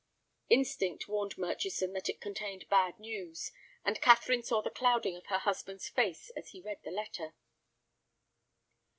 Instinct warned Murchison that it contained bad news, and Catherine saw the clouding of her husband's face as he read the letter.